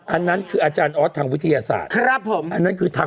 อันนั้นคืออาจารย์ออสทางวิทยาศาสตร์